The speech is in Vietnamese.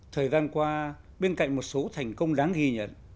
thời gian qua bên cạnh một số thành công đáng ghi nhận